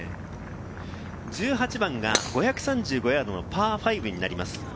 １８番が５３５ヤードのパー５になります。